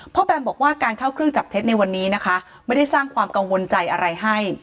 แบมบอกว่าการเข้าเครื่องจับเท็จในวันนี้นะคะไม่ได้สร้างความกังวลใจอะไรให้